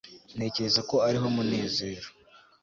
ntekereza ko ariho munezero